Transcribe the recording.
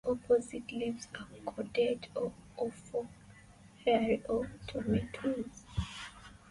The opposite leaves are cordate or oval, hairy or tomentose.